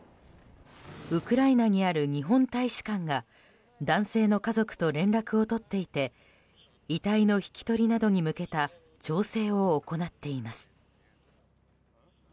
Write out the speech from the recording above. ウクライナにある日本大使館館が男性の家族と連絡を取っていて遺体の引き取りなどに向けた調整を行っています。